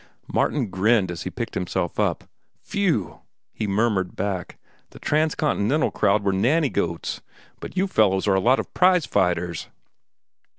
Martin grinned as he picked himself up. "Phew!" he murmured back. "The Transcontinental crowd were nanny goats, but you fellows are a lot of prize fighters."